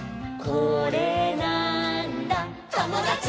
「これなーんだ『ともだち！』」